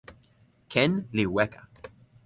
ken li weka.